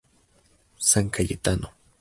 San Cayetano.